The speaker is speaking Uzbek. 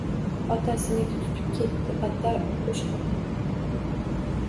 Otasiniki tutib ketdi, battar o‘shqirdi